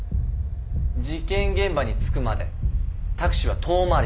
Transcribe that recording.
事件現場に着くまでタクシーは遠回りしたろ。